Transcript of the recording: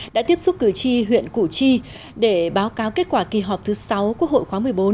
đã tiếp xúc cử tri huyện củ chi để báo cáo kết quả kỳ họp thứ sáu quốc hội khóa một mươi bốn